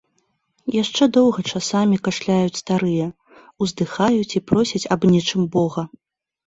Яшчэ доўга часамі кашляюць старыя, уздыхаюць і просяць аб нечым бога.